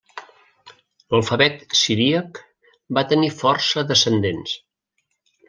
L'alfabet siríac va tenir força descendents.